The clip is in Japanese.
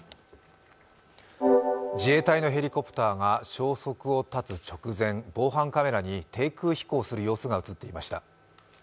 自衛隊のヘリコプターが消息を絶つ直前、防犯カメラに低空飛行する様子が映っていました。